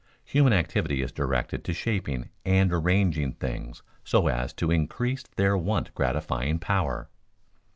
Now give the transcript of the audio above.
_Human activity is directed to shaping and arranging things so as to increase their want gratifying power.